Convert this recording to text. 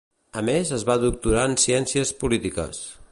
A més es va doctorar en ciències polítiques.